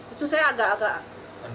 itu saya agak agak